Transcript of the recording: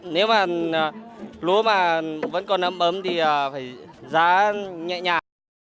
nếu mà lúa mà vẫn còn ấm ấm thì phải giá nhẹ nhàng